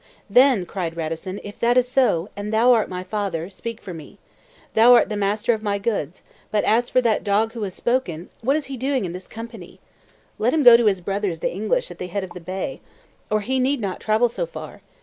"Then," cried Radisson, "if that is so, and thou art my father, speak for me. Thou art the master of my goods; but as for that dog who has spoken, what is he doing in this company? Let him go to his brothers, the English, at the head of the Bay. Or he need not travel so far.